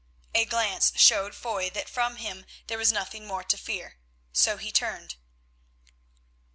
A glance showed Foy that from him there was nothing more to fear, so he turned.